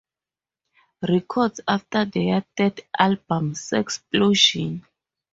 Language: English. Records after their third album, Sexplosion!